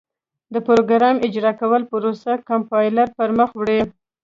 د پراګرام اجرا کولو پروسه کمپایلر پر مخ وړي.